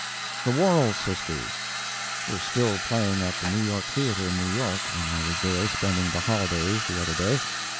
The Worrell Sisters Were still playing at the New York Theatre in New York when I was there spending the holidays the other day.